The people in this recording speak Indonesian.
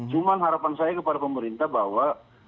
cuma harapan saya kepada pemerintah bahwa